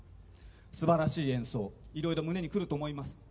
すばらしい演奏いろいろ胸に来ると思います。